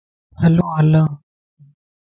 ھلو ھلان